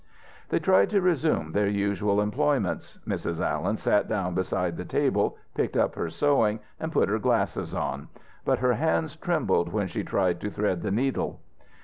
They tried to resume their usual employments. Mrs. Allen sat down beside the table, picked up her sewing and put her glasses on, but her hands trembled when she tried to thread the needle.